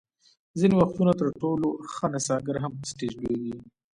ځینې وختونه تر ټولو ښه نڅاګر هم په سټېج لویږي.